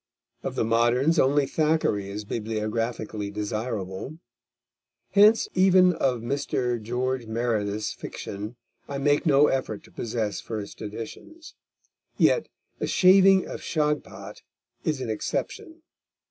Of the moderns, only Thackeray is bibliographically desirable. Hence even of Mr. George Meredith's fiction I make no effort to possess first editions; yet The Shaving of Shagpat is an exception.